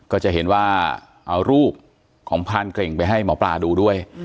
ก็จะเห็นว่าเอารูปของพรานเก่งไปให้หมอปลาดูด้วย